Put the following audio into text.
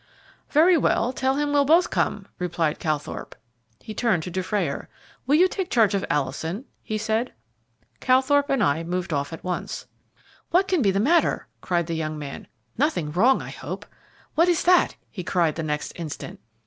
"Very well; tell him we'll both come," replied Calthorpe. He turned to Dufrayer. "Will you take charge of Alison?" he said. Calthorpe and I moved off at once. "What can be the matter?" cried the young man. "Nothing wrong, I hope. What is that?" he cried the next instant.